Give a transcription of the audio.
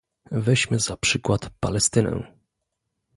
Weźmy za przykład Palestynę